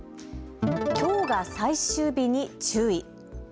きょうが最終日に注意。